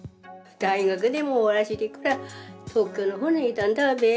大学でも終わらせて、東京のほうにいたんだべ。